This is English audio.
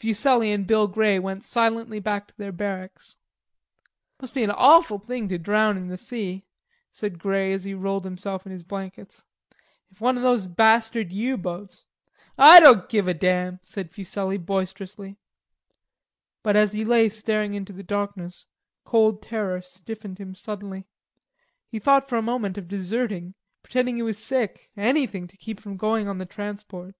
Fuselli and Bill Grey went silently back to their barracks. "It must be an awful thing to drown in the sea," said Grey as he rolled himself in his blankets. "If one of those bastard U boats..." "I don't give a damn," said Fuselli boisterously; but as he lay staring into the darkness, cold terror stiffened him suddenly. He thought for a moment of deserting, pretending he was sick, anything to keep from going on the transport.